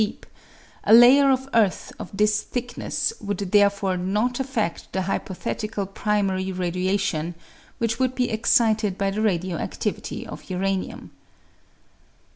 deep ; a layer of earth of this thickness would therefore not affed the hypothetical primary radiation which would be excited by the radio adivity of uranium.